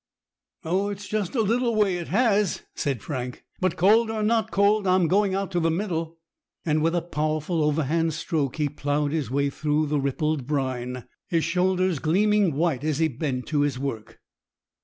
"Oh, it's just a little way it has," said Frank. "But cold or not cold, I'm going out to the middle." And with a powerful overhand stroke he ploughed his way through the rippled brine, his shoulders gleaming white as he bent to his work.